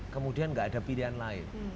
kemudian nggak ada pilihan lain